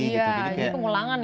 iya ini pengulangan ya